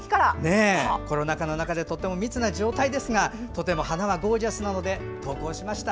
コロナ禍の中でとても密な状態ですがとても花はゴージャスなので投稿しました。